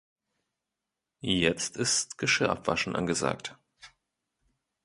Jetzt ist Geschirr abwaschen angesagt.